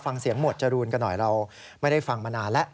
หมวดจรูนกันหน่อยเราไม่ได้ฟังมานานแล้ว